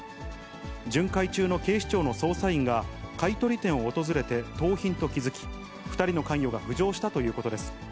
巡回中の警視庁の捜査員が、買い取り店を訪れて盗品と気付き、２人の関与が浮上したということです。